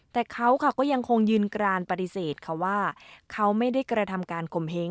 แต่เขาก็ยังคงยืนกรานปฏิเสธค่ะว่าเขาไม่ได้กระทำการข่มเฮ้ง